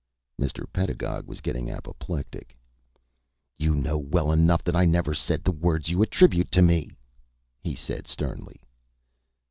Mr. Pedagog was getting apoplectic. "You know well enough that I never said the words you attribute to me," he said, sternly.